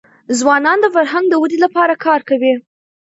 ځوانان د فرهنګ د ودې لپاره کار کوي.